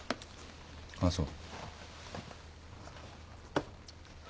あっそう。